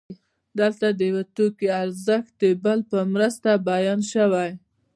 دلته د یو توکي ارزښت د بل په مرسته بیان شوی